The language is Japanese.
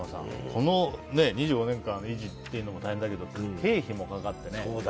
この２５年間の維持も大変だけど経費もかかってね。